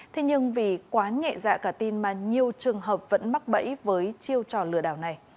thế nhưng vì quá nhẹ dạ cả tin mà nhiều trường hợp vẫn mắc bẫy với chiêu trò lừa đảo này